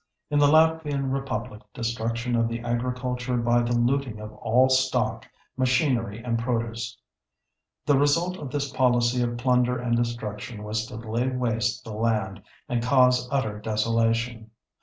In the Latvian Republic destruction of the agriculture by the looting of all stock, machinery, and produce. The result of this policy of plunder and destruction was to lay waste the land and cause utter desolation.